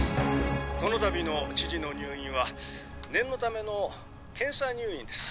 「この度の知事の入院は念のための検査入院です」